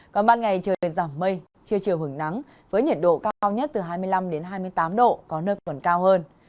còn ban ngày trời giảm mây trưa chiều hưởng nắng với nhiệt độ cao nhất từ hai mươi năm hai mươi tám độ có nơi còn cao hơn